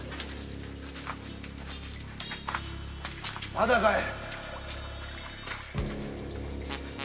まだかい？